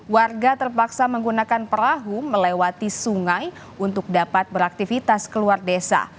warga terpaksa menggunakan perahu melewati sungai untuk dapat beraktivitas keluar desa